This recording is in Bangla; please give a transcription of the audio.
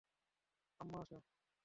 আম্মা, আসো।